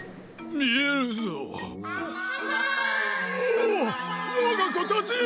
おおわがこたちよ！